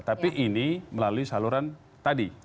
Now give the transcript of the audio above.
tapi ini melalui saluran tadi